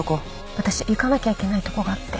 私行かなきゃいけないとこがあって。